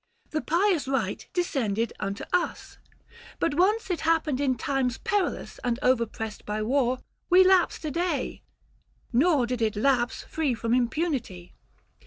The pious rite descended unto us. But once it happened in times perilous And overpressed by war, we lapsed a day ; Nor did it lapse, free from impunity.